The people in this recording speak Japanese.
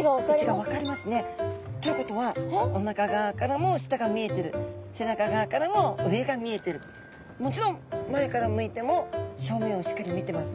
位置が分かりますね。ということはおなか側からも下が見えてる背中側からも上が見えてるもちろん前から向いても正面をしっかり見てますね。